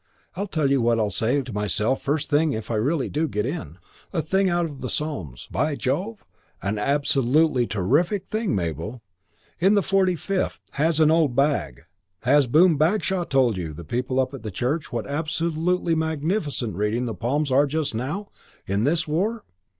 I'll tell you what I'll say to myself first thing if I really do get in. A thing out of the Psalms. By Jove, an absolutely terrific thing, Mabel. In the Forty fifth. Has old Bag has Boom Bagshaw told you people up at the church what absolutely magnificent reading the Psalms are just now, in this war?"